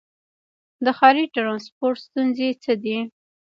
د ښاري ټرانسپورټ ستونزې څه دي؟